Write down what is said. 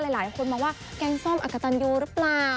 หลายคนมองว่าแกงส้มอักกะตันยูหรือเปล่า